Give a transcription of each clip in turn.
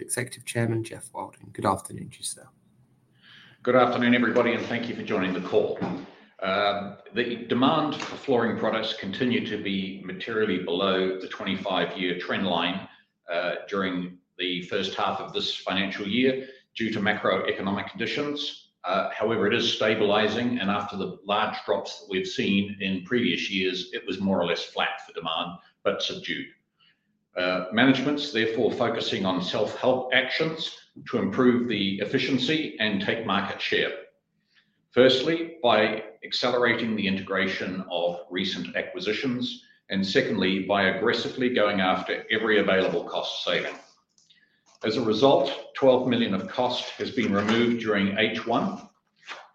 Executive Chairman Geoff Wilding. Good afternoon, to you sir.. Good afternoon, everybody, and thank you for joining the call. The demand for flooring products continued to be materially below the 25-year trend line during the first half of this financial year due to macroeconomic conditions. However, it is stabilizing, and after the large drops that we've seen in previous years, it was more or less flat for demand, but subdued. Management is therefore focusing on self-help actions to improve the efficiency and take market share. Firstly, by accelerating the integration of recent acquisitions, and secondly, by aggressively going after every available cost saving. As a result, 12 million of cost has been removed during H1,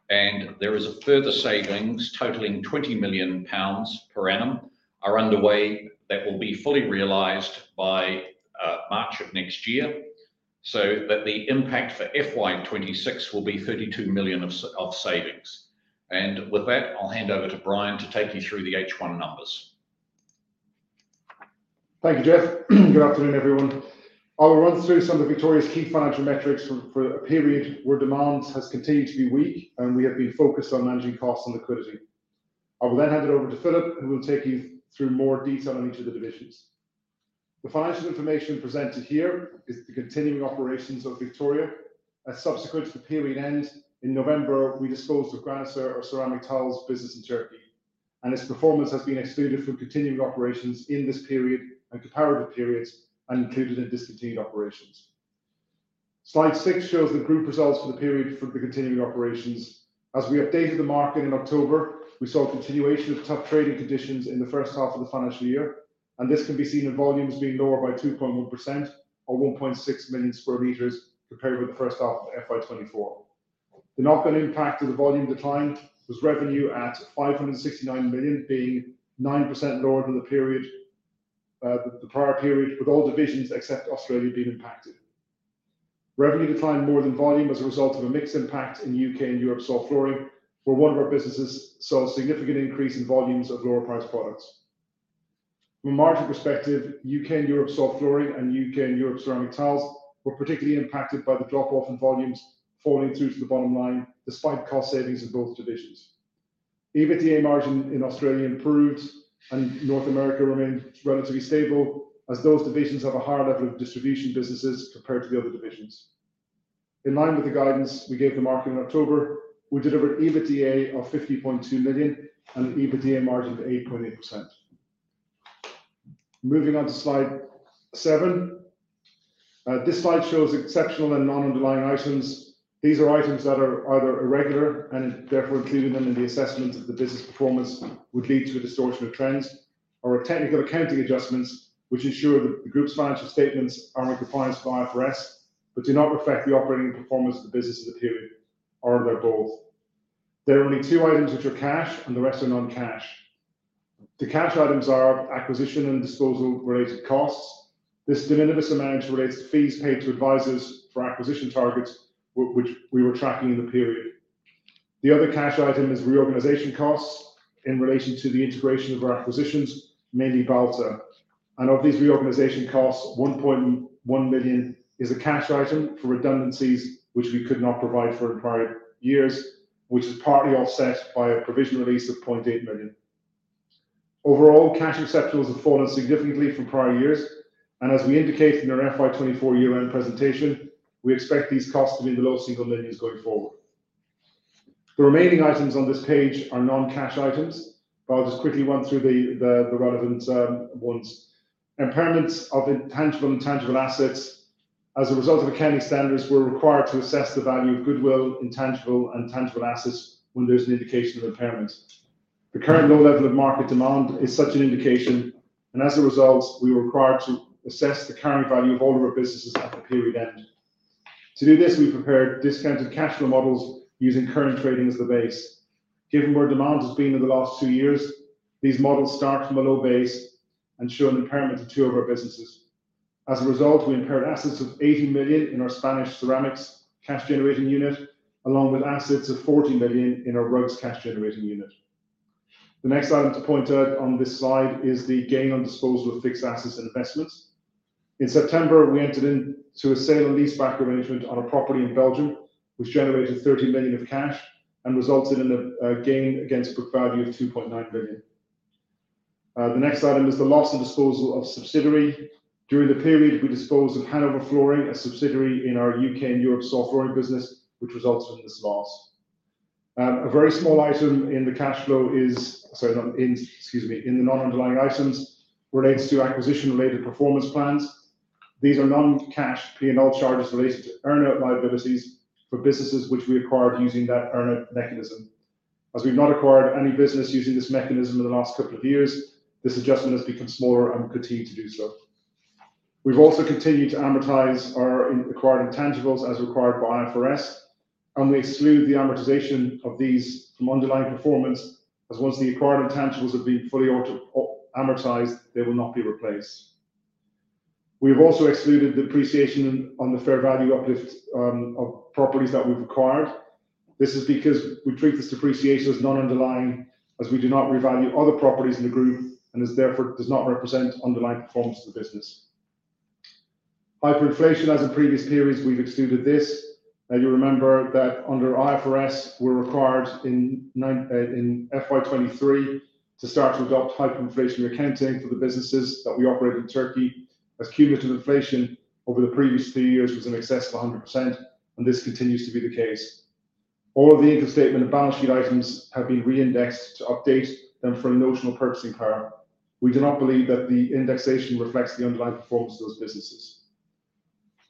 and there is a further savings totaling 20 million pounds per annum underway that will be fully realized by March of next year, so that the impact for FY 2026 will be 32 million of savings. With that, I'll hand over to Brian to take you through the H1 numbers. Thank you, Geoff. Good afternoon, everyone. I will run through some of Victoria's key financial metrics for a period where demand has continued to be weak, and we have been focused on managing costs and liquidity. I will then hand it over to Philippe, who will take you through more detail on each of the divisions. The financial information presented here is the continuing operations of Victoria. As subsequent to the period end in November, we disclosed that Graniser, or ceramic tiles business in Turkey, and its performance has been excluded from continuing operations in this period and comparative periods and included in discontinued operations. Slide 6 shows the group results for the period for the continuing operations. As we updated the market in October, we saw a continuation of tough trading conditions in the first half of the financial year, and this can be seen in volumes being lower by 2.1% or 1.6 million square meters compared with the first half of FY 2024. The knock-on impact of the volume decline was revenue at 569 million, being 9% lower than the prior period, with all divisions except Australia being impacted. Revenue declined more than volume as a result of a mixed impact in the UK and Europe soft flooring, where one of our businesses saw a significant increase in volumes of lower-priced products. From a margin perspective, UK and Europe soft flooring and UK and Europe ceramic tiles were particularly impacted by the drop-off in volumes falling through to the bottom line, despite cost savings in both divisions. EBITDA margin in Australia improved, and North America remained relatively stable, as those divisions have a higher level of distribution businesses compared to the other divisions. In line with the guidance we gave the market in October, we delivered EBITDA of 50.2 million and an EBITDA margin of 8.8%. Moving on to slide 7. This slide shows exceptional and non-underlying items. These are items that are either irregular and therefore including them in the assessment of the business performance would lead to a distortion of trends or technical accounting adjustments, which ensure that the group's financial statements are in compliance with IFRS but do not reflect the operating performance of the business of the period, or they're both. There are only two items which are cash, and the rest are non-cash. The cash items are acquisition and disposal-related costs. This de minimis amount relates to fees paid to advisors for acquisition targets, which we were tracking in the period. The other cash item is reorganization costs in relation to the integration of our acquisitions, mainly Balta, and of these reorganization costs, 1.1 million is a cash item for redundancies which we could not provide for prior years, which is partly offset by a provision release of 0.8 million. Overall, cash add-backs have fallen significantly from prior years, and as we indicate in our FY 2024 year-end presentation, we expect these costs to be below single-digit millions going forward. The remaining items on this page are non-cash items, but I'll just quickly run through the relevant ones. Impairments of intangible and tangible assets as a result of accounting standards were required to assess the value of goodwill, intangible, and tangible assets when there's an indication of impairment. The current low level of market demand is such an indication, and as a result, we were required to assess the carrying value of all of our businesses at the period end. To do this, we prepared discounted cash flow models using current trading as the base. Given where demand has been in the last two years, these models start from a low base and show an impairment to two of our businesses. As a result, we impaired assets of 80 million in our Spanish ceramics cash generating unit, along with assets of 40 million in our rugs cash generating unit. The next item to point out on this slide is the gain on disposal of fixed assets and investments. In September, we entered into a sale and lease-back arrangement on a property in Belgium, which generated 30 million of cash and resulted in a gain against book value of 2.9 million. The next item is the loss and disposal of subsidiary. During the period, we disposed of Hanover Flooring, a subsidiary in our UK and Europe Soft Flooring business, which resulted in this loss. A very small item in the cash flow is, sorry, not in, excuse me, in the non-underlying items relates to acquisition-related performance plans. These are non-cash P&L charges related to earn-out liabilities for businesses which we acquired using that earn-out mechanism. As we've not acquired any business using this mechanism in the last couple of years, this adjustment has become smaller and continued to do so. We've also continued to amortize our acquired intangibles as required by IFRS, and we exclude the amortization of these from underlying performance, as once the acquired intangibles have been fully amortized, they will not be replaced. We have also excluded depreciation on the fair value uplift of properties that we've acquired. This is because we treat this depreciation as non-underlying, as we do not revalue other properties in the group, and this therefore does not represent underlying performance of the business. Hyperinflation, as in previous periods, we've excluded this. Now, you remember that under IFRS, we were required in FY 2023 to start to adopt hyperinflationary accounting for the businesses that we operate in Turkey, as cumulative inflation over the previous three years was in excess of 100%, and this continues to be the case. All of the income statement and balance sheet items have been re-indexed to update them for a notional purchasing power. We do not believe that the indexation reflects the underlying performance of those businesses.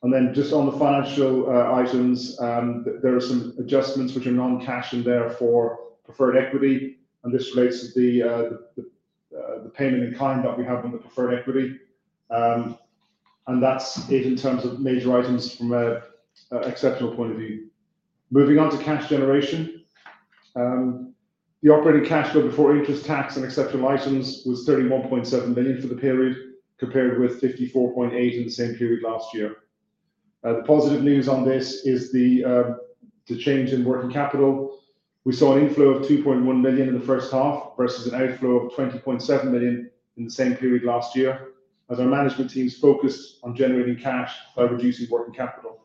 And then just on the financial items, there are some adjustments which are non-cash and therefore preferred equity, and this relates to the payment in kind that we have on the preferred equity. And that's it in terms of major items from an exceptional point of view. Moving on to cash generation, the operating cash flow before interest tax and exceptional items was 31.7 million for the period, compared with 54.8 in the same period last year. The positive news on this is the change in working capital. We saw an inflow of 2.1 million in the first half versus an outflow of 20.7 million in the same period last year, as our management teams focused on generating cash by reducing working capital.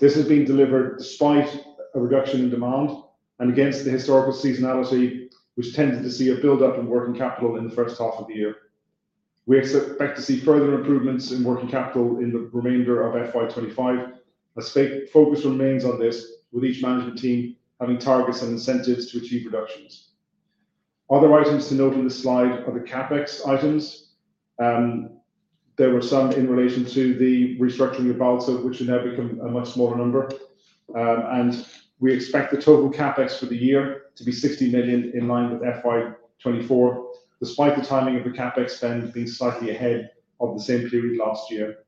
This has been delivered despite a reduction in demand and against the historical seasonality, which tended to see a build-up in working capital in the first half of the year. We expect to see further improvements in working capital in the remainder of FY 2025, as focus remains on this, with each management team having targets and incentives to achieve reductions. Other items to note on this slide are the CapEx items. There were some in relation to the restructuring of Balta, which should now become a much smaller number. We expect the total CapEx for the year to be 60 million in line with FY24, despite the timing of the CapEx spend being slightly ahead of the same period last year.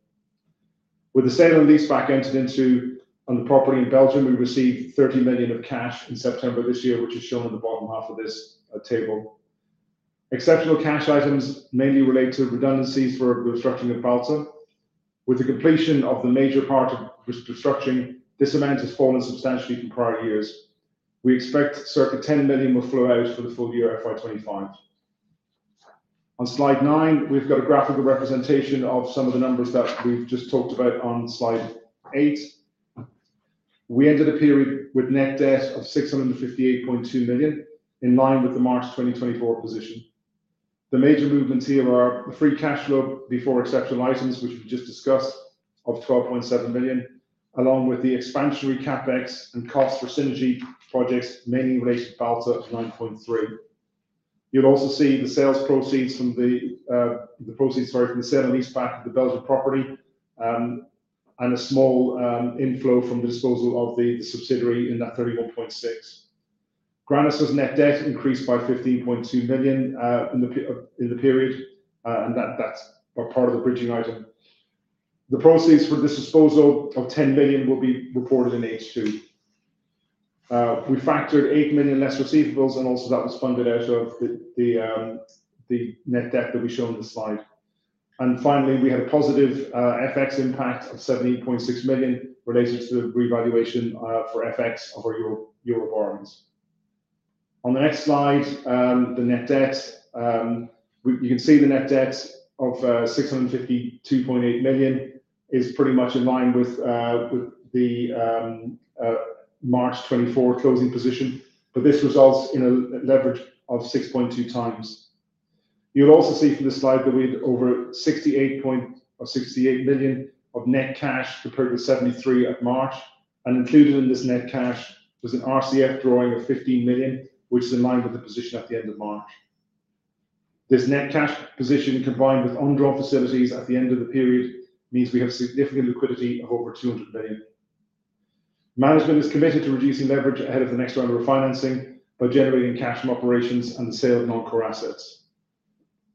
With the sale and lease-back entered into on the property in Belgium, we received 30 million of cash in September this year, which is shown in the bottom half of this table. Exceptional cash items mainly relate to redundancies for the restructuring of Balta. With the completion of the major part of restructuring, this amount has fallen substantially from prior years. We expect circa 10 million will flow out for the full year of FY 2025. On slide 9, we've got a graphical representation of some of the numbers that we've just talked about on slide 8. We entered a period with net debt of 658.2 million, in line with the March 2024 position. The major movements here are the free cash flow before exceptional items, which we've just discussed, of 12.7 million, along with the expansionary CapEx and cost for synergy projects, mainly related to Balta, of 9.3 million. You'll also see the sales proceeds from the proceeds, sorry, from the sale and lease-back of the Belgian property and a small inflow from the disposal of the subsidiary in that 31.6 million. Graniser's net debt increased by 15.2 million in the period, and that's part of the bridging item. The proceeds for disposal of 10 million will be reported in H2. We factored 8 million less receivables, and also that was funded out of the net debt that we show on this slide. And finally, we had a positive FX impact of 17.6 million related to the revaluation for FX of our Eurobonds. On the next slide, the net debt, you can see the net debt of 652.8 million is pretty much in line with the March 2024 closing position, but this results in a leverage of 6.2x. You'll also see from this slide that we had over 68 million of net cash compared with 73 at March 2024, and included in this net cash was an RCF drawing of 15 million, which is in line with the position at the end of March 2024. This net cash position, combined with on-draw facilities at the end of the period, means we have significant liquidity of over 200 million. Management is committed to reducing leverage ahead of the next round of refinancing by generating cash from operations and the sale of non-core assets.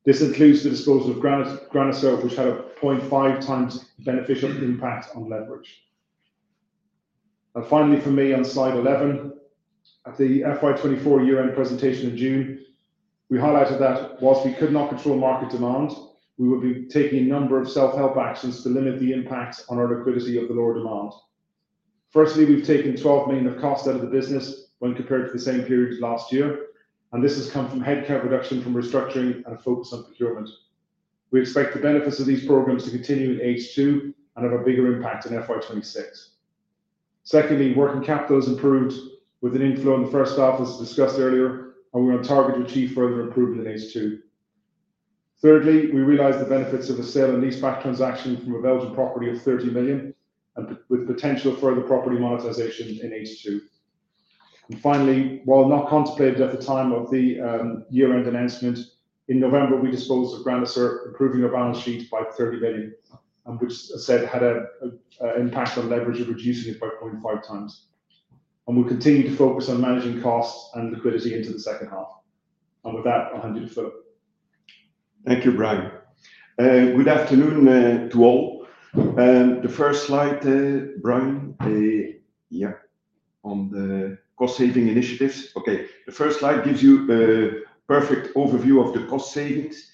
This includes the disposal of Graniser, which had a 0.5 times beneficial impact on leverage. And finally, for me, on slide 11, at the FY 2024 year-end presentation in June, we highlighted that while we could not control market demand, we would be taking a number of self-help actions to limit the impact on our liquidity of the lower demand. Firstly, we've taken 12 million of cost out of the business when compared to the same period last year, and this has come from headcount reduction from restructuring and a focus on procurement. We expect the benefits of these programs to continue in H2 and have a bigger impact in FY 2026. Secondly, working capital has improved with an inflow in the first half, as discussed earlier, and we're on target to achieve further improvement in H2. Thirdly, we realize the benefits of a sale and lease-back transaction from a Belgian property of 30 million and with potential further property monetization in H2. Finally, while not contemplated at the time of the year-end announcement, in November, we disposed of Graniser, improving our balance sheet by 30 million, which has had an impact on leverage of reducing it by 0.5x. We'll continue to focus on managing costs and liquidity into the second half. With that, I'll hand you the floor. Thank you, Brian. Good afternoon to all. The first slide, Brian, yeah, on the cost-saving initiatives. Okay, the first slide gives you a perfect overview of the cost savings.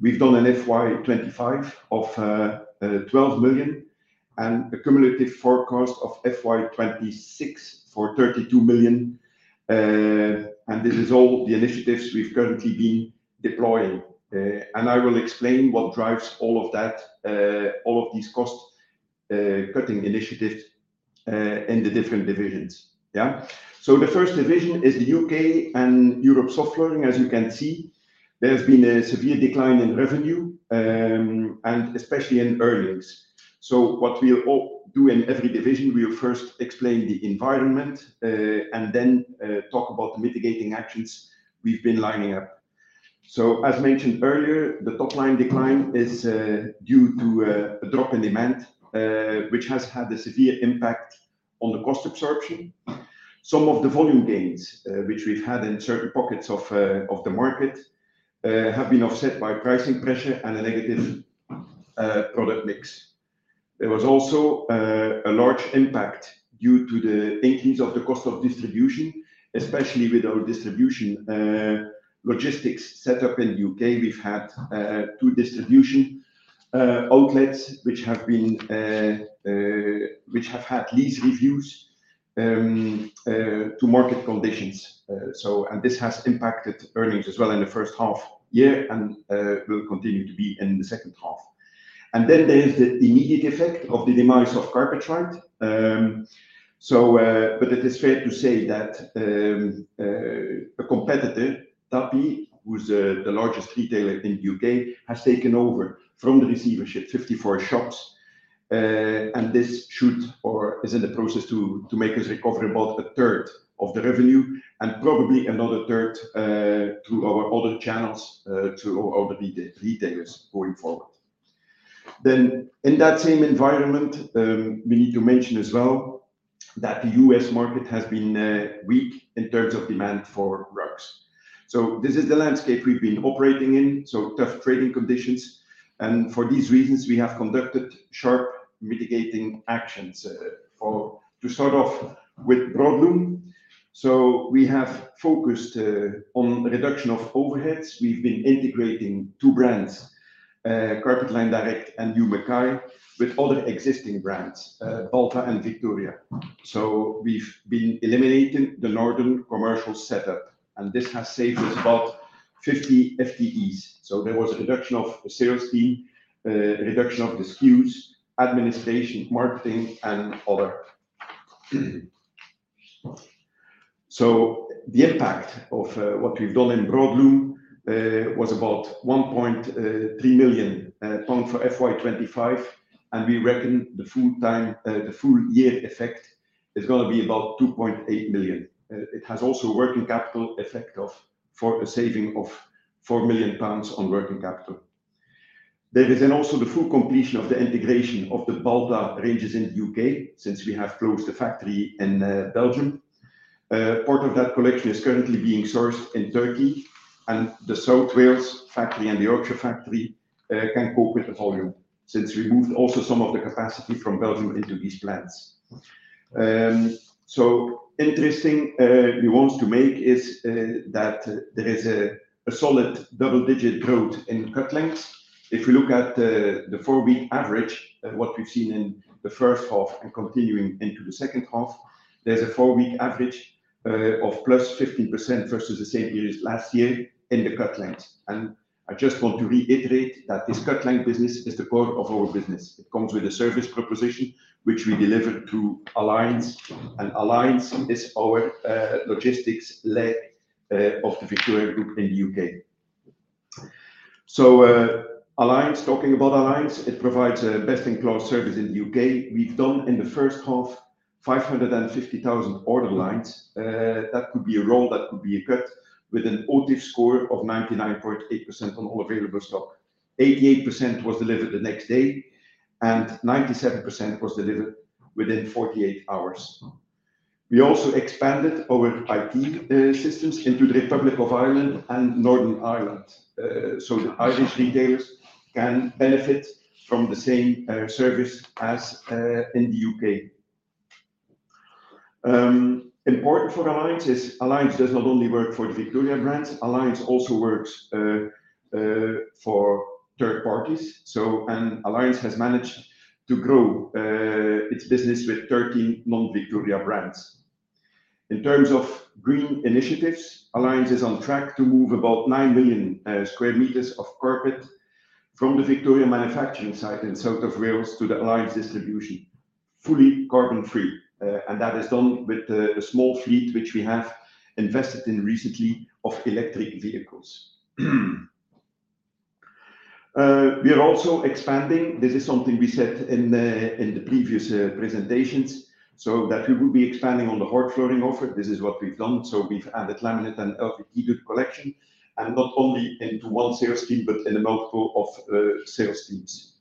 We've done an FY 2025 of 12 million and a cumulative forecast of FY 2026 for 32 million. This is all the initiatives we've currently been deploying. I will explain what drives all of that, all of these cost-cutting initiatives in the different divisions. Yeah? The first division is the UK and Europe soft flooring. As you can see, there's been a severe decline in revenue, and especially in earnings. So what we'll do in every division, we'll first explain the environment and then talk about the mitigating actions we've been lining up. So as mentioned earlier, the top-line decline is due to a drop in demand, which has had a severe impact on the cost absorption. Some of the volume gains, which we've had in certain pockets of the market, have been offset by pricing pressure and a negative product mix. There was also a large impact due to the increase of the cost of distribution, especially with our distribution logistics set up in the UK. We've had two distribution outlets which have had lease reviews to market conditions. And this has impacted earnings as well in the first half year and will continue to be in the second half. And then there's the immediate effect of the demise of Carpetright. But it is fair to say that a competitor, Tapi, who's the largest retailer in the UK, has taken over from the receivership, 54 shops. And this should, or is in the process to make us recover about a third of the revenue and probably another third through our other channels, through our other retailers going forward. Then in that same environment, we need to mention as well that the U.S. market has been weak in terms of demand for rugs. So this is the landscape we've been operating in, so tough trading conditions. And for these reasons, we have conducted sharp mitigating actions. To start off with broadloom, so we have focused on reduction of overheads. We've been integrating two brands, Carpet Line Direct and Hugh Mackay, with other existing brands, Balta and Victoria. So we've been eliminating the northern commercial setup, and this has saved us about 50 FTEs. So there was a reduction of the sales team, a reduction of the SKUs, administration, marketing, and other. So the impact of what we've done in broadloom was about 1.3 million pounds for FY 2025, and we reckon the full year effect is going to be about 2.8 million. It has also a working capital effect for a saving of 4 million pounds on working capital. There is then also the full completion of the integration of the Balta ranges in the UK, since we have closed the factory in Belgium. Part of that collection is currently being sourced in Turkey, and the South Wales factory and the Yorkshire factory can cope with the volume, since we moved also some of the capacity from Belgium into these plants. So, interesting, we want to make clear is that there is a solid double-digit growth in cut lengths. If we look at the four-week average, what we've seen in the first half and continuing into the second half, there's a four-week average of plus 15% versus the same period as last year in the cut lengths. And I just want to reiterate that this cut length business is the core of our business. It comes with a service proposition, which we deliver through Alliance, and Alliance is our logistics leg of the Victoria Group in the UK. So Alliance, talking about Alliance, it provides a best-in-class service in the UK. We've done in the first half 550,000 order lines. That could be a roll, that could be a cut, with an OTIF score of 99.8% on all available stock. 88% was delivered the next day, and 97% was delivered within 48 hours. We also expanded our IT systems into the Republic of Ireland and Northern Ireland, so the Irish retailers can benefit from the same service as in the UK. Important for Alliance is Alliance does not only work for the Victoria brands, Alliance also works for third parties. And Alliance has managed to grow its business with 13 non-Victoria brands. In terms of green initiatives, Alliance is on track to move about 9 million m² of carpet from the Victoria manufacturing site in South Wales to the Alliance distribution, fully carbon-free. And that is done with a small fleet which we have invested in recently of electric vehicles. We are also expanding. This is something we said in the previous presentations, so that we will be expanding on the hard flooring offer. This is what we've done. So we've added laminate and LVP to the collection, and not only into one sales team, but in a multiple of sales teams.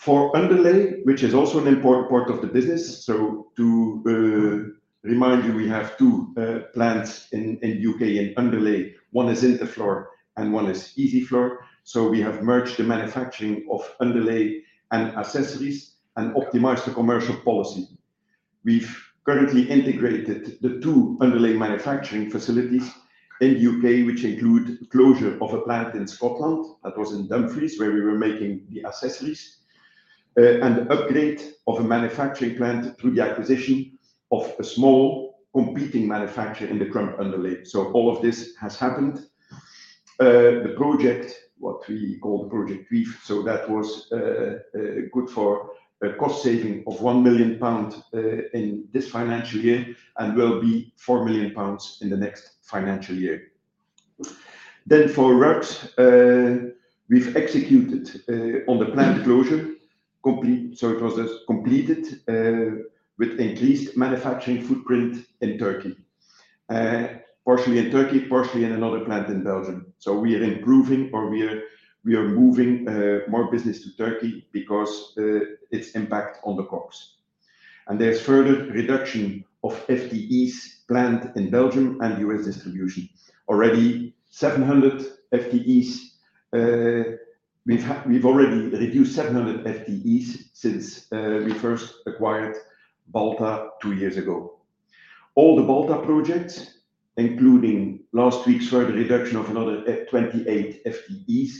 For underlay, which is also an important part of the business, so to remind you, we have two plants in the UK in underlay. One is Interfloor and one is Ezi Floor. So we have merged the manufacturing of underlay and accessories and optimized the commercial policy. We've currently integrated the two underlay manufacturing facilities in the UK, which include closure of a plant in Scotland that was in Dumfries where we were making the accessories, and the upgrade of a manufacturing plant through the acquisition of a small competing manufacturer in the crumb underlay. So all of this has happened. The project, what we call the project WEEF, so that was good for a cost saving of 1 million pounds in this financial year and will be 4 million pounds in the next financial year. Then for rugs, we've executed on the plant closure, so it was completed with increased manufacturing footprint in Turkey, partially in Turkey, partially in another plant in Belgium. So we are improving or we are moving more business to Turkey because of its impact on the cost. And there's further reduction of FTEs planned in Belgium and U.S. distribution. Already 700 FTEs. We've already reduced 700 FTEs since we first acquired Balta two years ago. All the Balta projects, including last week's further reduction of another 28 FTEs,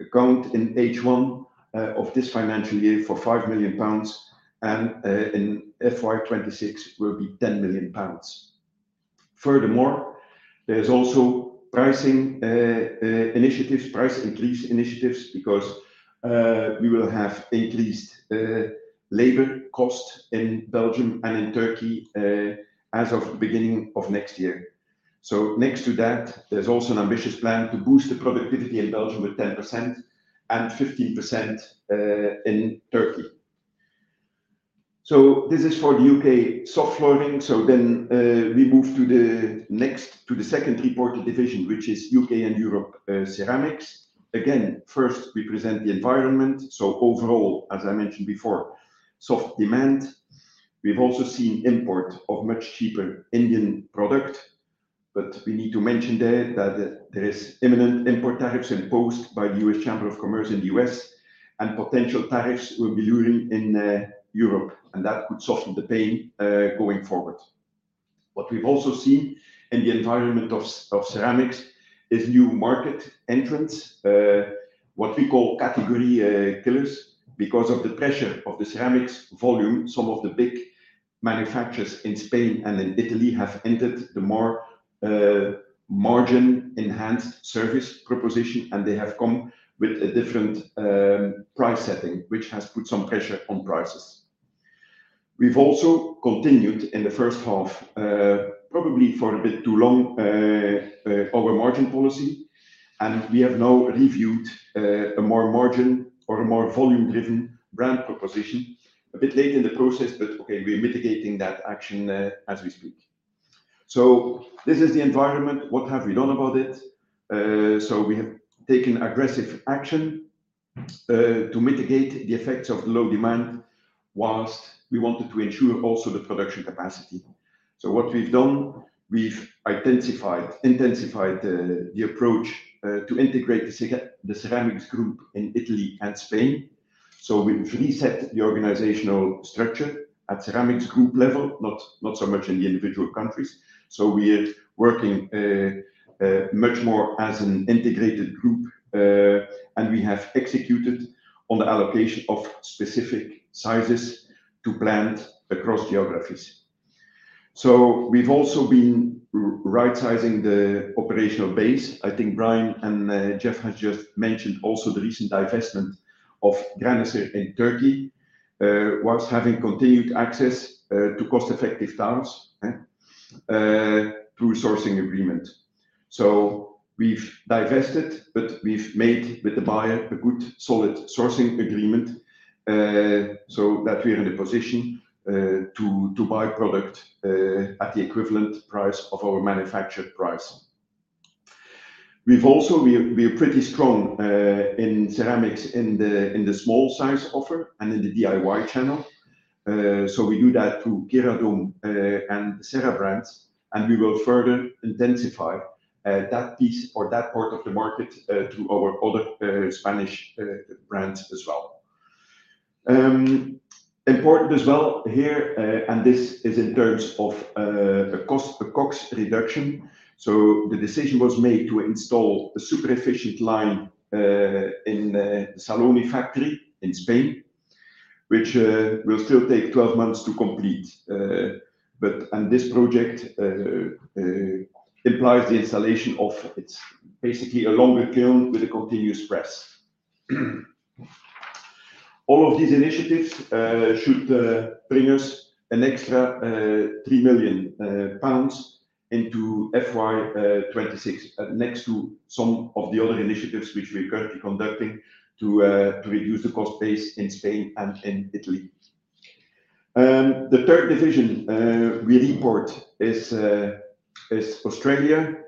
account in H1 of this financial year for 5 million pounds, and in FY 2026 will be 10 million pounds. Furthermore, there's also pricing initiatives, price increase initiatives, because we will have increased labor cost in Belgium and in Turkey as of the beginning of next year. So next to that, there's also an ambitious plan to boost the productivity in Belgium with 10% and 15% in Turkey. So this is for the UK soft flooring. So then we move to the next, to the second reported division, which is UK and Europe ceramics. Again, first we present the environment. So overall, as I mentioned before, soft demand. We've also seen import of much cheaper Indian product, but we need to mention there that there are imminent import tariffs imposed by the US Chamber of Commerce in the US, and potential tariffs will be looming in Europe, and that could soften the pain going forward. What we've also seen in the environment of ceramics is new market entrants, what we call category killers. Because of the pressure of the ceramics volume, some of the big manufacturers in Spain and in Italy have entered the more margin-enhanced service proposition, and they have come with a different price setting, which has put some pressure on prices. We've also continued in the first half, probably for a bit too long, our margin policy, and we have now reviewed a more margin or a more volume-driven brand proposition. A bit late in the process, but okay, we're mitigating that action as we speak. So this is the environment. What have we done about it? So we have taken aggressive action to mitigate the effects of the low demand whilst we wanted to ensure also the production capacity. So what we've done, we've intensified the approach to integrate the ceramics group in Italy and Spain. So we've reset the organizational structure at ceramics group level, not so much in the individual countries. So we are working much more as an integrated group, and we have executed on the allocation of specific sizes to plant across geographies. So we've also been right-sizing the operational base. I think Brian and Geoff have just mentioned also the recent divestment of Graniser in Turkey while having continued access to cost-effective tiles through sourcing agreements. So we've divested, but we've made with the buyer a good solid sourcing agreement so that we're in a position to buy product at the equivalent price of our manufactured price. We're pretty strong in ceramics in the small-size offer and in the DIY channel. We do that through Graniser and Serra brands, and we will further intensify that piece or that part of the market to our other Spanish brands as well. Important as well here, and this is in terms of a cost reduction. The decision was made to install a super-efficient line in the Saloni factory in Spain, which will still take 12 months to complete. But this project implies the installation of basically a longer kiln with a continuous press. All of these initiatives should bring us an extra 3 million pounds into FY26, next to some of the other initiatives which we're currently conducting to reduce the cost base in Spain and in Italy. The third division we report is Australia.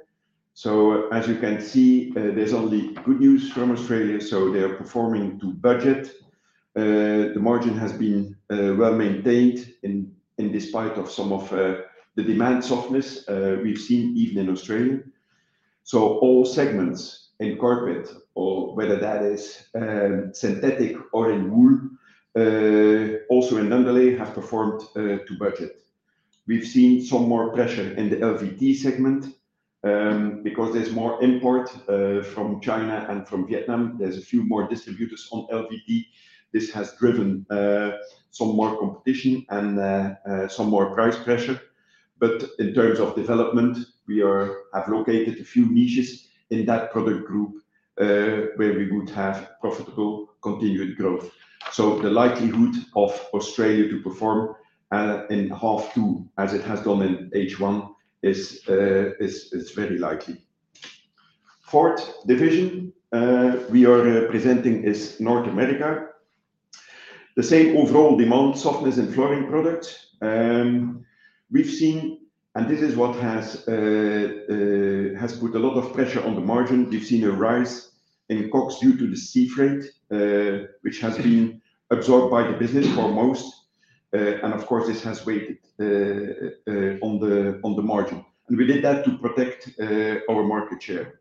As you can see, there's only good news from Australia. They are performing to budget. The margin has been well maintained in spite of some of the demand softness we've seen even in Australia. So all segments in carpet, whether that is synthetic or in wool, also in underlay, have performed to budget. We've seen some more pressure in the LVP segment because there's more import from China and from Vietnam. There's a few more distributors on LVP. This has driven some more competition and some more price pressure. But in terms of development, we have located a few niches in that product group where we would have profitable continued growth. So the likelihood of Australia to perform in H2, as it has done in H1, is very likely. The fourth division we are presenting is North America. The same overall demand softness in flooring products we've seen, and this is what has put a lot of pressure on the margin. We've seen a rise in COGS due to the sea freight, which has been absorbed by the business for most, and of course, this has weighed on the margin, and we did that to protect our market share.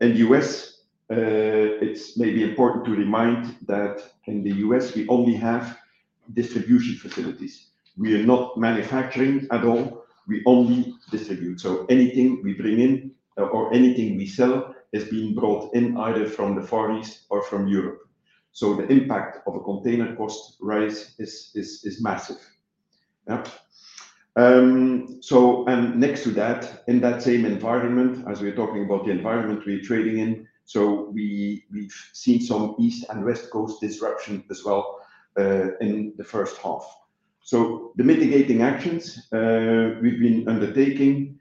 In the US, it's maybe important to remind that in the U.S., we only have distribution facilities. We are not manufacturing at all. We only distribute. So anything we bring in or anything we sell has been brought in either from the Far East or from Europe. So the impact of a container cost rise is massive, and next to that, in that same environment, as we're talking about the environment we're trading in, so we've seen some East and West Coast disruption as well in the first half. So the mitigating actions we've been undertaking,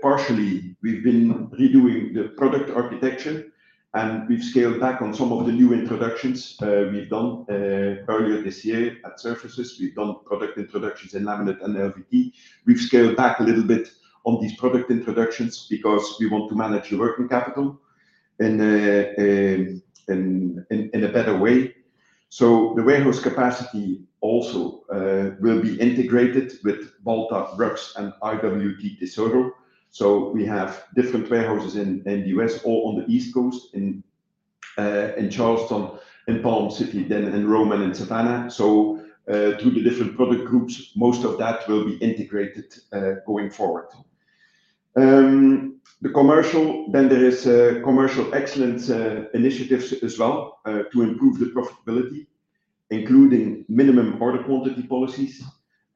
partially, we've been redoing the product architecture, and we've scaled back on some of the new introductions we've done earlier this year at Surfaces. We've done product introductions in laminate and LVP. We've scaled back a little bit on these product introductions because we want to manage the working capital in a better way. So the warehouse capacity also will be integrated with Balta, Rugs, and IWT's Tesoro. So we have different warehouses in the U.S., all on the East Coast, in Charleston, in Palm City, then in Rome and in Savannah. So through the different product groups, most of that will be integrated going forward. The commercial, then there is commercial excellence initiatives as well to improve the profitability, including minimum order quantity policies,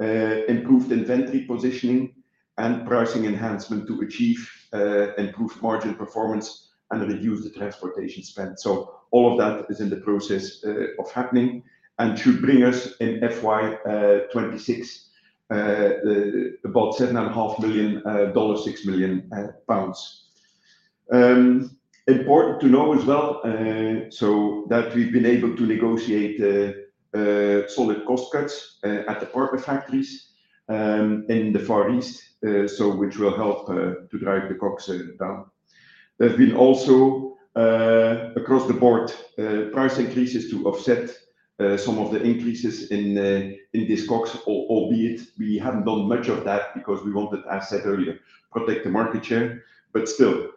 improved inventory positioning, and pricing enhancement to achieve improved margin performance and reduce the transportation spend. All of that is in the process of happening and should bring us in FY 2026 about GBP 7.5 million, 6 million pounds. Important to know as well, so that we've been able to negotiate solid cost cuts at the partner factories in the Far East, which will help to drive the COGS down. There have been also across the board price increases to offset some of the increases in this COGS, albeit we haven't done much of that because we wanted, as said earlier, to protect the market share. But still,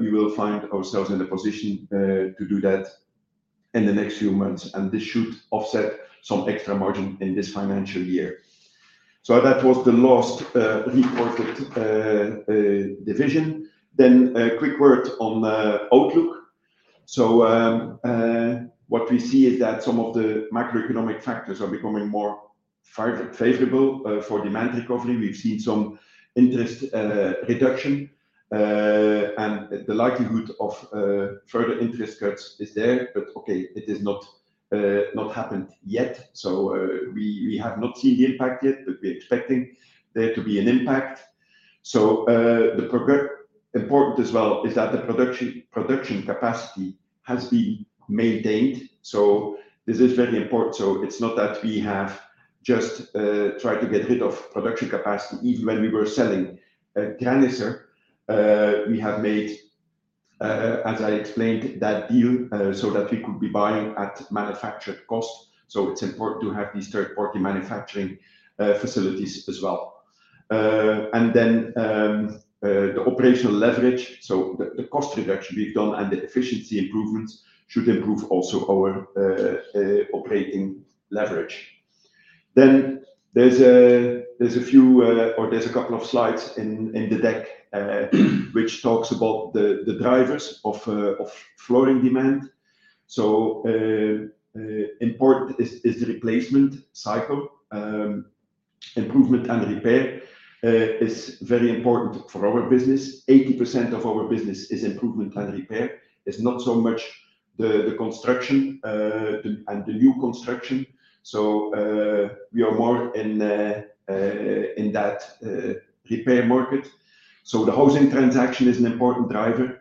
we will find ourselves in a position to do that in the next few months, and this should offset some extra margin in this financial year. That was the last reported division. Then a quick word on outlook. What we see is that some of the macroeconomic factors are becoming more favorable for demand recovery. We've seen some interest reduction, and the likelihood of further interest cuts is there. But okay, it has not happened yet. So we have not seen the impact yet, but we're expecting there to be an impact. So the important as well is that the production capacity has been maintained. So this is very important. So it's not that we have just tried to get rid of production capacity. Even when we were selling Graniser, we have made, as I explained, that deal so that we could be buying at manufactured cost. So it's important to have these third-party manufacturing facilities as well. And then the operational leverage, so the cost reduction we've done and the efficiency improvements should improve also our operating leverage. Then there's a few, or there's a couple of slides in the deck which talks about the drivers of flooring demand. So important is the replacement cycle. Improvement and repair is very important for our business. 80% of our business is improvement and repair. It's not so much the construction and the new construction. So we are more in that repair market. So the housing transaction is an important driver.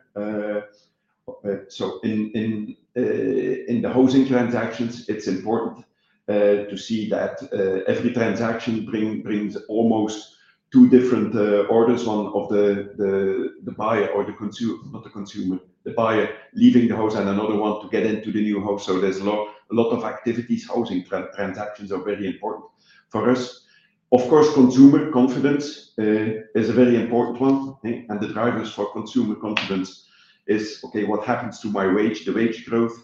So in the housing transactions, it's important to see that every transaction brings almost two different orders. One of the buyer or the consumer, not the consumer, the buyer leaving the house and another one to get into the new house. So there's a lot of activities. Housing transactions are very important for us. Of course, consumer confidence is a very important one. And the drivers for consumer confidence is, okay, what happens to my wage? The wage growth,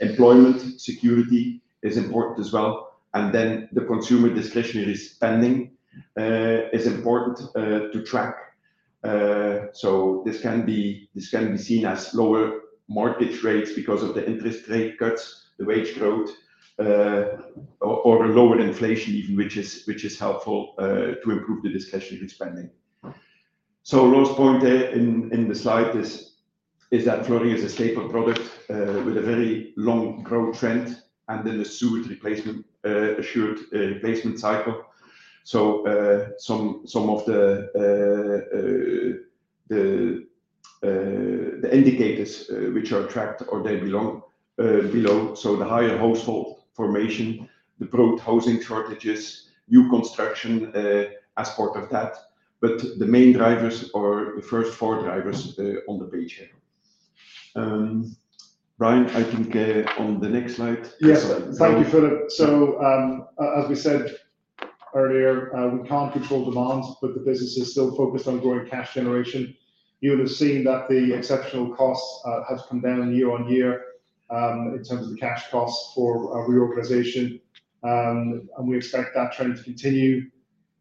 employment security is important as well. And then the consumer discretionary spending is important to track. So this can be seen as lower mortgage rates because of the interest rate cuts, the wage growth, or lower inflation even, which is helpful to improve the discretionary spending. So the point in the slide is that flooring is a staple product with a very long growth trend and then assured replacement cycle. So some of the indicators which are tracked or they're shown below. So the higher household formation, the broader housing shortages, new construction as part of that. But the main drivers are the first four drivers on the page here. Brian, I think on the next slide. Yes, thank you, Philippe. So as we said earlier, we can't control demand, but the business is still focused on growing cash generation. You'll have seen that the exceptional cost has come down year on year in terms of the cash cost for reorganization, and we expect that trend to continue.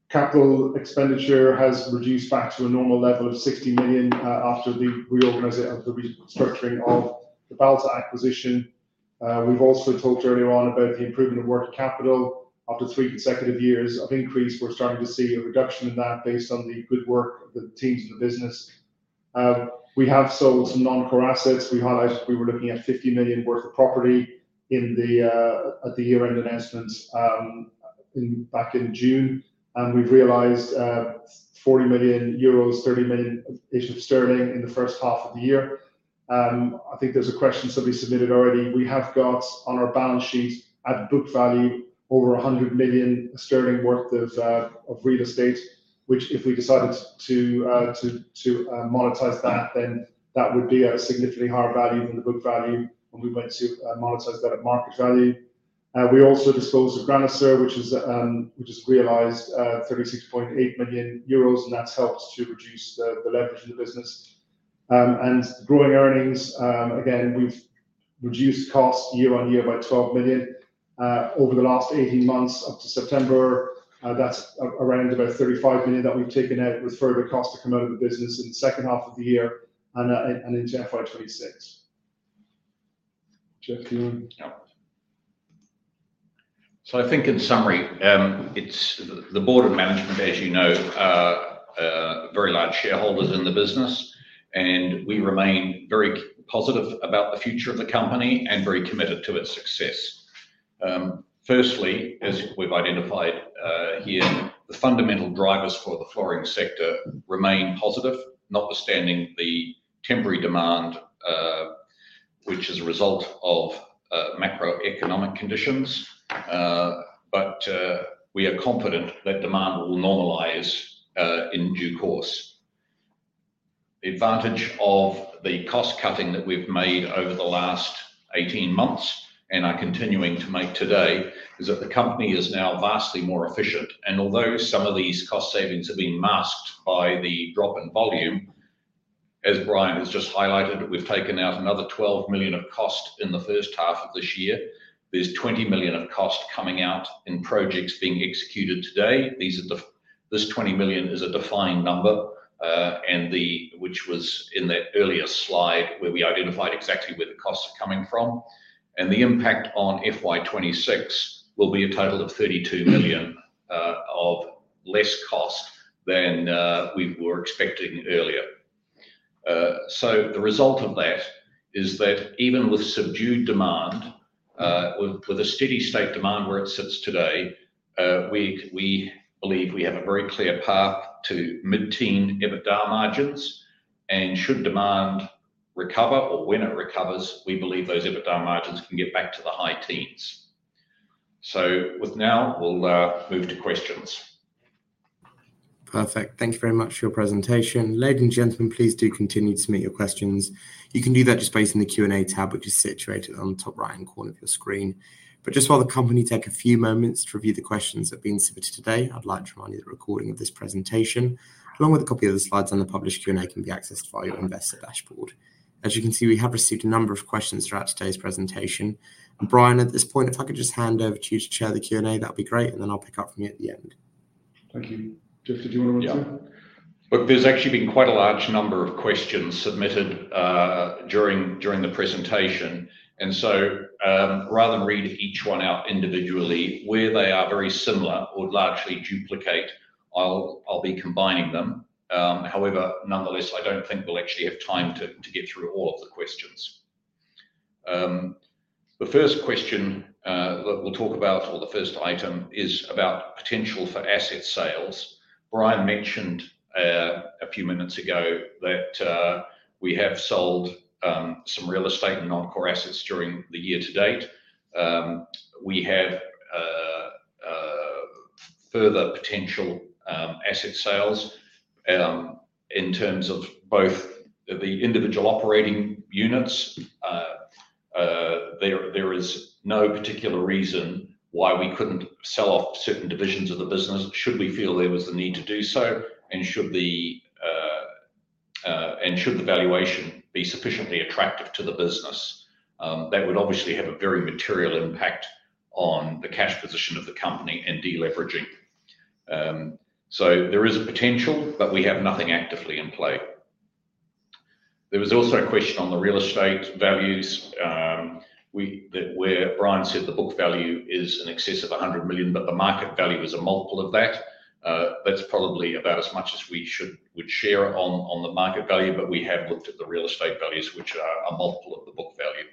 Capital expenditure has reduced back to a normal level of 60 million after the reorganization of the restructuring of the Balta acquisition. We've also talked earlier on about the improvement of working capital. After three consecutive years of increase, we're starting to see a reduction in that based on the good work of the teams in the business. We have sold some non-core assets. We highlighted we were looking at 50 million worth of property at the year-end announcement back in June, and we've realized 40 million euros, 30 million issue of sterling in the first half of the year. I think there's a question somebody submitted already. We have got on our balance sheet at book value over 100 million sterling worth of real estate, which if we decided to monetize that, then that would be a significantly higher value than the book value when we went to monetize that at market value. We also disposed of Graniser, which has realized 36.8 million euros, and that's helped to reduce the leverage in the business. And growing earnings, again, we've reduced cost year on year by 12 million over the last 18 months up to September. That's around about 35 million that we've taken out with further costs to come out of the business in the second half of the year and into FY26. Geoff, do you want to? So I think in summary, the board of management, as you know, very large shareholders in the business, and we remain very positive about the future of the company and very committed to its success. Firstly, as we've identified here, the fundamental drivers for the flooring sector remain positive, notwithstanding the temporary demand, which is a result of macroeconomic conditions. But we are confident that demand will normalize in due course. The advantage of the cost cutting that we've made over the last 18 months and are continuing to make today is that the company is now vastly more efficient. And although some of these cost savings have been masked by the drop in volume, as Brian has just highlighted, we've taken out another 12 million of cost in the first half of this year. There's 20 million of cost coming out in projects being executed today. This 20 million is a defined number, which was in the earlier slide where we identified exactly where the costs are coming from, and the impact on FY 2026 will be a total of 32 million of less cost than we were expecting earlier, so the result of that is that even with subdued demand, with a steady state demand where it sits today, we believe we have a very clear path to mid-teen EBITDA margins, and should demand recover or when it recovers, we believe those EBITDA margins can get back to the high teens. So now, we'll move to questions. Perfect. Thank you very much for your presentation. Ladies and gentlemen, please do continue to submit your questions. You can do that just by using the Q&A tab, which is situated on the top right-hand corner of your screen. But just while the company takes a few moments to review the questions that have been submitted today, I'd like to remind you that the recording of this presentation, along with a copy of the slides and the published Q&A, can be accessed via your Investor Dashboard. As you can see, we have received a number of questions throughout today's presentation. Brian, at this point, if I could just hand over to you to chair the Q&A, that would be great. And then I'll pick up from you at the end. Thank you. Geoff, did you want to answer? Yeah. Look, there's actually been quite a large number of questions submitted during the presentation. And so rather than read each one out individually, where they are very similar or largely duplicate, I'll be combining them. However, nonetheless, I don't think we'll actually have time to get through all of the questions. The first question that we'll talk about, or the first item, is about potential for asset sales. Brian mentioned a few minutes ago that we have sold some real estate and non-core assets during the year to date. We have further potential asset sales in terms of both the individual operating units. There is no particular reason why we couldn't sell off certain divisions of the business should we feel there was the need to do so, and should the valuation be sufficiently attractive to the business. That would obviously have a very material impact on the cash position of the company and deleveraging. So there is a potential, but we have nothing actively in play. There was also a question on the real estate values where Brian said the book value is in excess of 100 million, but the market value is a multiple of that. That's probably about as much as we should share on the market value, but we have looked at the real estate values, which are a multiple of the book value.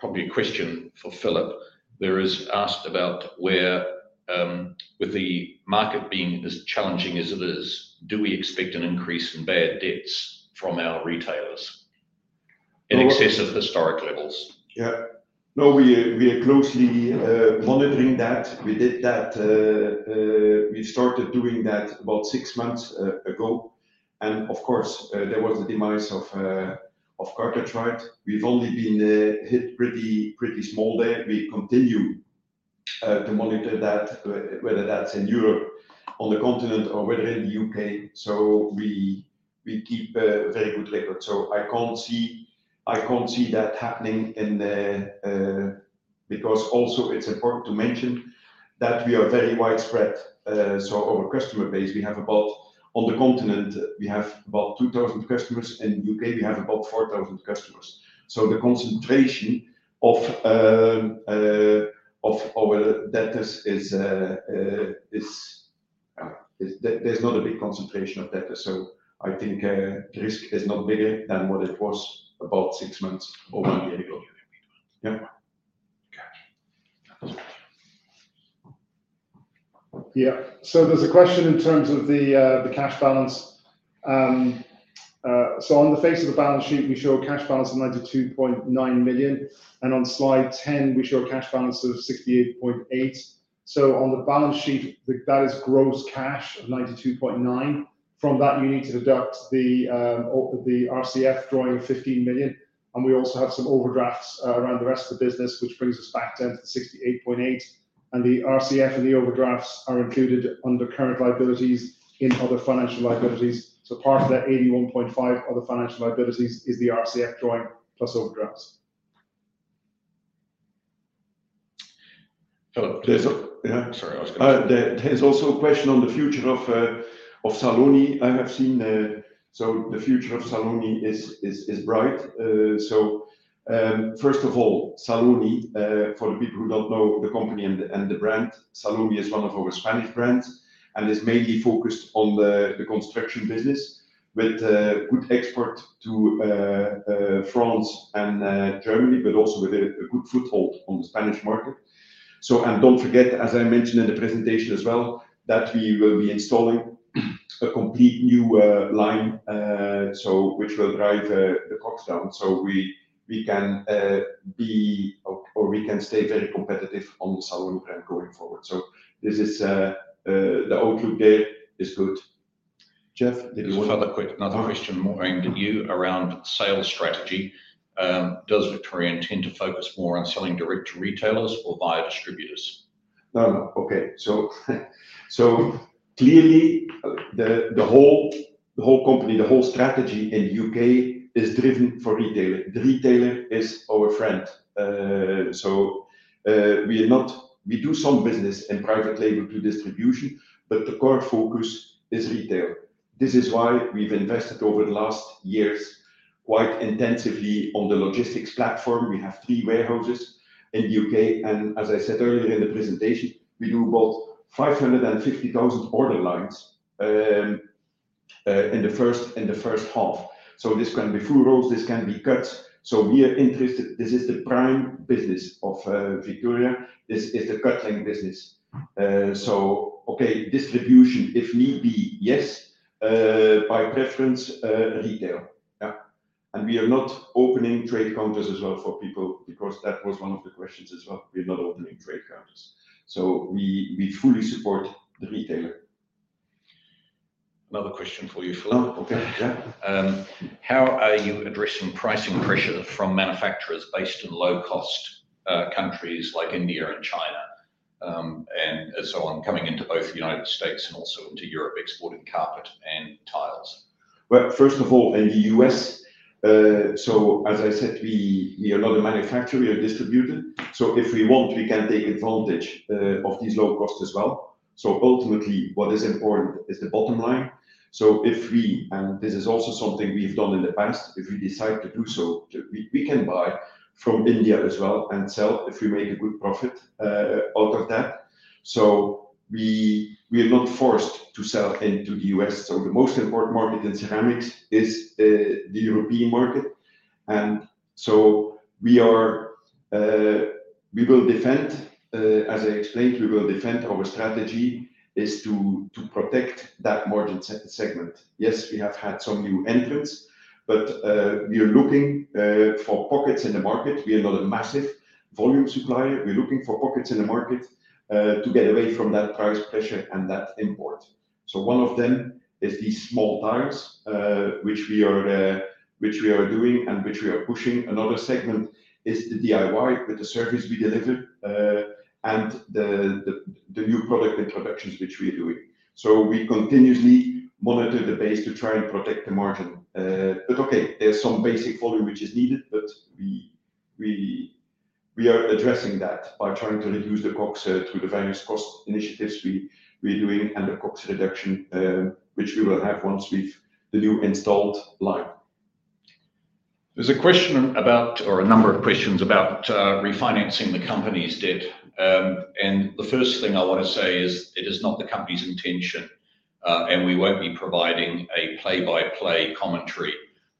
Probably a question for Philippe. There is asked about where. With the market being as challenging as it is, do we expect an increase in bad debts from our retailers in excess of historic levels? Yeah. No, we are closely monitoring that. We did that. We started doing that about six months ago. And of course, there was the demise of Carpetright. We've only been hit pretty small there. We continue to monitor that, whether that's in Europe on the continent or whether in the U.K. So we keep a very good record. So I can't see that happening in the because also it's important to mention that we are very widespread. So our customer base, we have about on the continent, we have about 2,000 customers. In the U.K, we have about 4,000 customers. So the concentration of our debtors is there's not a big concentration of debtors. So I think the risk is not bigger than what it was about six months or one year ago. Yeah. Okay. Yeah. So there's a question in terms of the cash balance. So on the face of the balance sheet, we show a cash balance of 92.9 million. And on slide 10, we show a cash balance of 68.8 million. So on the balance sheet, that is gross cash of 92.9 million. From that, you need to deduct the RCF drawing of 15 million. We also have some overdrafts around the rest of the business, which brings us back down to 68.8. The RCF and the overdrafts are included under current liabilities in other financial liabilities. So part of that 81.5 other financial liabilities is the RCF drawing plus overdrafts. Hello. Yeah? Sorry, I was going to ask. There's also a question on the future of Saloni. I have seen. So the future of Saloni is bright. So first of all, Saloni, for the people who don't know the company and the brand, Saloni is one of our Spanish brands and is mainly focused on the construction business with good export to France and Germany, but also with a good foothold on the Spanish market. Don't forget, as I mentioned in the presentation as well, that we will be installing a complete new line, which will drive the cost down. So we can be, or we can stay very competitive on the Saloni brand going forward. So this is the outlook; there is good. Geoff, did you want to? Just another quick question more aimed at you around sales strategy. Does Victoria tend to focus more on selling direct to retailers or via distributors? No. Okay. So clearly, the whole company, the whole strategy in the U.K is driven for retailer. The retailer is our friend. So we do some business in private label to distribution, but the core focus is retail. This is why we've invested over the last years quite intensively on the logistics platform. We have three warehouses in the U.K. And as I said earlier in the presentation, we do about 550,000 order lines in the first half. So this can be full rolls. This can be cuts. So we are interested. This is the prime business of Victoria. This is the cutting business. So okay, distribution, if need be, yes, by preference retail. We are not opening trade counters as well for people because that was one of the questions as well. We're not opening trade counters. We fully support the retailer. Another question for you, Philippe. How are you addressing pricing pressures from manufacturers based in low-cost countries like India and China and so on coming into both the United States and also into Europe exporting carpet and tiles? Well, first of all, in the U.S., so as I said, we are not a manufacturer. We are distributors. So if we want, we can take advantage of these low costs as well. So ultimately, what is important is the bottom line. So if we, and this is also something we've done in the past, if we decide to do so, we can buy from India as well and sell if we make a good profit out of that. So we are not forced to sell into the U.S. So the most important market in ceramics is the European market. And so we will defend, as I explained, we will defend our strategy is to protect that margin segment. Yes, we have had some new entrants, but we are looking for pockets in the market. We are not a massive volume supplier. We're looking for pockets in the market to get away from that price pressure and that import. So one of them is these small tiles, which we are doing and which we are pushing. Another segment is the DIY with the service we deliver and the new product introductions which we are doing, so we continuously monitor the base to try and protect the margin, but okay, there's some basic volume which is needed, but we are addressing that by trying to reduce the cost through the various cost initiatives we are doing and the cost reduction which we will have once we have the new installed line. There's a question about, or a number of questions about refinancing the company's debt, and the first thing I want to say is it is not the company's intention, and we won't be providing a play-by-play commentary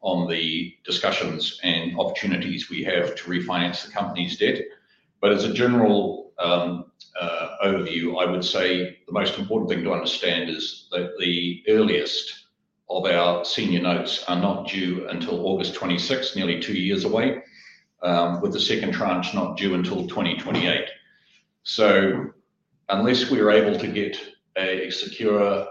on the discussions and opportunities we have to refinance the company's debt. But as a general overview, I would say the most important thing to understand is that the earliest of our senior notes are not due until August 26th, nearly two years away, with the second tranche not due until 2028. So unless we are able to get a secure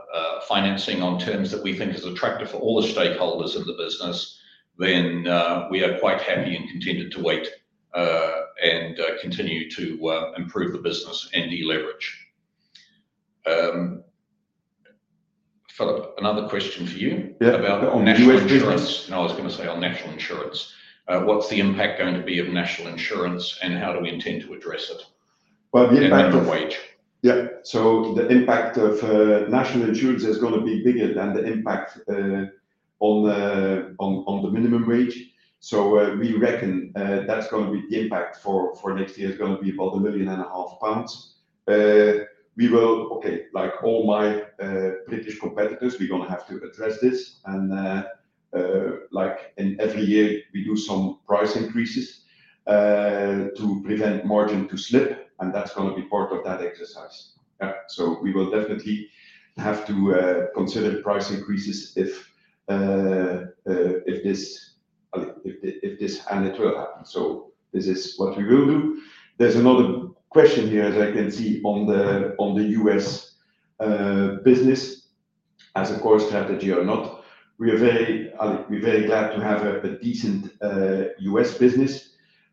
financing on terms that we think is attractive for all the stakeholders of the business, then we are quite happy and contented to wait and continue to improve the business and deleverage. Philippe, another question for you about national insurance. No, I was going to say on national insurance. What is the impact going to be of national insurance, and how do we intend to address it? Well, the impact of and the wage. Yeah. So the impact of national insurance is going to be bigger than the impact on the minimum wage. So, we reckon that's going to be the impact for next year: it's going to be about 1.5 million. We will, okay, like all my British competitors, have to address this. Like in every year, we do some price increases to prevent margin to slip. That's going to be part of that exercise. Yeah. We will definitely have to consider price increases if this, and it will happen. This is what we will do. There's another question here, as I can see, on the U.S. business as a core strategy or not. We are very glad to have a decent U.S. business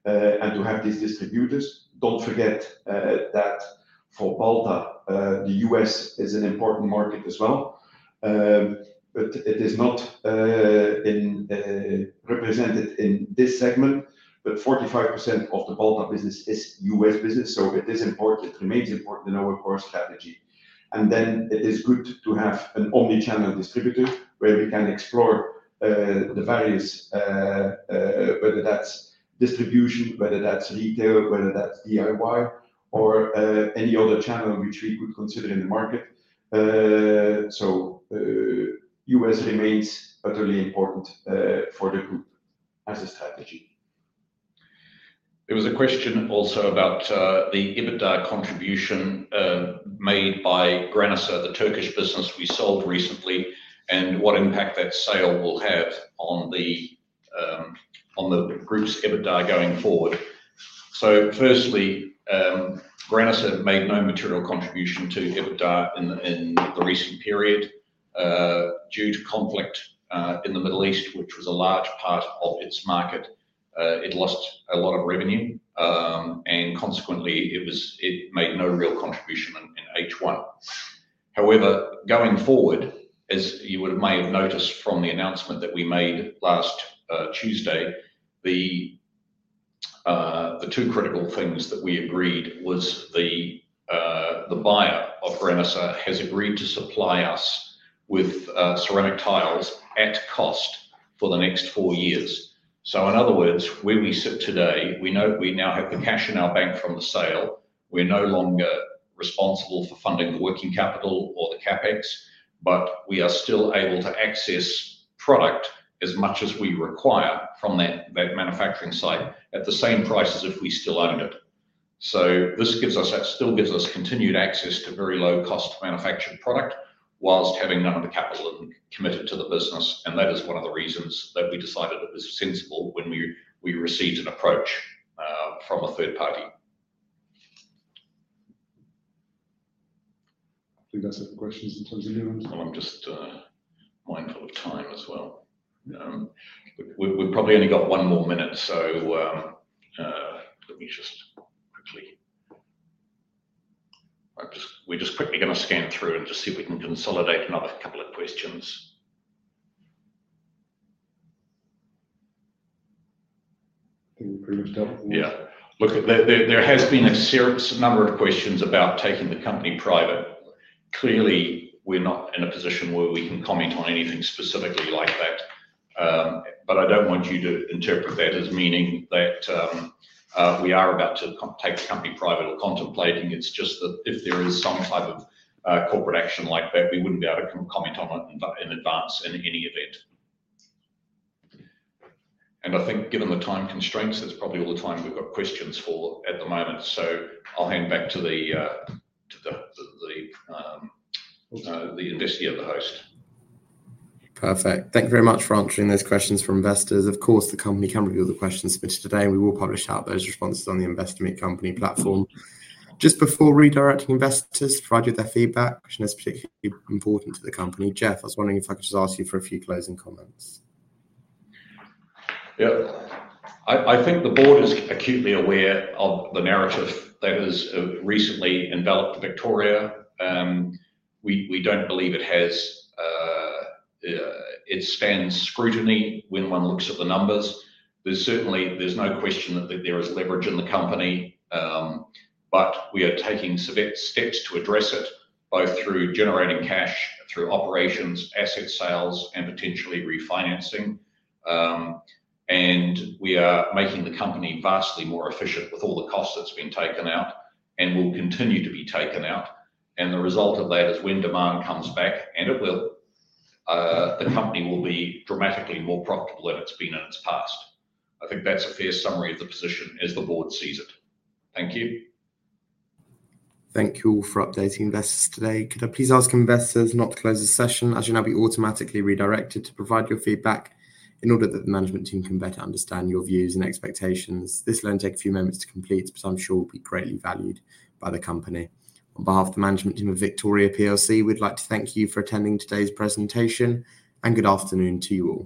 and to have these distributors. Don't forget that for Balta, the U.S. is an important market as well. But it is not represented in this segment, but 45% of the Balta business is U.S. business. So it remains important in our core strategy. And then it is good to have an omnichannel distributor where we can explore the various, whether that's distribution, whether that's retail, whether that's DIY, or any other channel which we could consider in the market. So U.S. remains utterly important for the group as a strategy. There was a question also about the EBITDA contribution made by Graniser, the Turkish business we sold recently, and what impact that sale will have on the group's EBITDA going forward. So firstly, Graniser made no material contribution to EBITDA in the recent period. Due to conflict in the Middle East, which was a large part of its market, it lost a lot of revenue. And consequently, it made no real contribution in H1. However, going forward, as you may have noticed from the announcement that we made last Tuesday, the two critical things that we agreed was the buyer of Graniser has agreed to supply us with ceramic tiles at cost for the next four years. So in other words, where we sit today, we know we now have the cash in our bank from the sale. We're no longer responsible for funding the working capital or the CapEx, but we are still able to access product as much as we require from that manufacturing site at the same prices if we still owned it. So this still gives us continued access to very low-cost manufactured product whilst having none of the capital committed to the business. And that is one of the reasons that we decided it was sensible when we received an approach from a third party. I think that's it for questions in terms of new ones. I'm just mindful of time as well. We've probably only got one more minute, so let me just quickly. We're just quickly going to scan through and just see if we can consolidate another couple of questions. Can we pretty much tell? Yeah. Look, there has been a serious number of questions about taking the company private. Clearly, we're not in a position where we can comment on anything specifically like that, but I don't want you to interpret that as meaning that we are about to take the company private or contemplating. It's just that if there is some type of corporate action like that, we wouldn't be able to comment on it in advance in any event, and I think given the time constraints, that's probably all the time we've got questions for at the moment. So, I'll hand back to the moderator, the host. Perfect. Thank you very much for answering those questions for investors. Of course, the company can review the questions submitted today, and we will publish out those responses on the Investor Meet Company platform. Just before redirecting investors to provide you with their feedback, which is particularly important to the company, Geoff, I was wondering if I could just ask you for a few closing comments. Yeah. I think the board is acutely aware of the narrative that has recently enveloped Victoria. We don't believe it stands up to scrutiny when one looks at the numbers. There's no question that there is leverage in the company, but we are taking steps to address it both through generating cash, through operations, asset sales, and potentially refinancing. We are making the company vastly more efficient with all the costs that's been taken out and will continue to be taken out. The result of that is when demand comes back, and it will, the company will be dramatically more profitable than it's been in its past. I think that's a fair summary of the position as the board sees it. Thank you. Thank you all for updating investors today. Could I please ask investors not to close the session? As you know, we automatically redirected to provide your feedback in order that the management team can better understand your views and expectations. This will only take a few moments to complete, but I'm sure it will be greatly valued by the company. On behalf of the management team of Victoria PLC, we'd like to thank you for attending today's presentation. Good afternoon to you all.